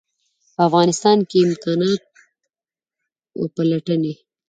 په افغانستان کې امکانات وپلټي.